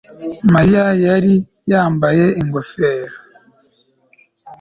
Mariya yari yambaye ingofero